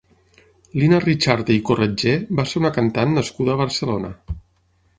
Lina Richarte i Corretgé va ser una cantant nascuda a Barcelona.